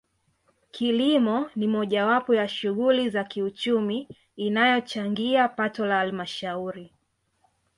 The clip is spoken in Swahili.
Kilimo ni mojawapo ya shughuli za kiuchumi inayochangia pato la Halmashauri